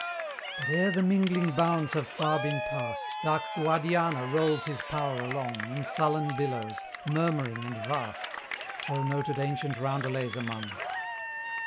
But ere the mingling bounds have far been passed, Dark Guadiana rolls his power along In sullen billows, murmuring and vast, So noted ancient roundelays among.